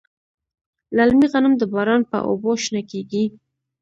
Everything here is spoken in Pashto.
للمي غنم د باران په اوبو شنه کیږي.